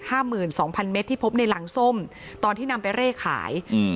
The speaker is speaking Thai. หมื่นสองพันเมตรที่พบในหลังส้มตอนที่นำไปเร่ขายอืม